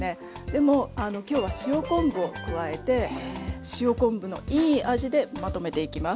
でも今日は塩昆布を加えて塩昆布のいい味でまとめていきます。